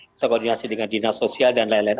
kita koordinasi dengan dinas sosial dan lain lain